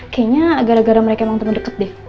kayaknya gara gara mereka emang bener deket deh